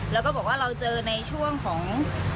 แล้วก็บอกว่าเราเจอในช่วงของ